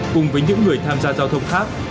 cùng với những người tham gia giao thông khác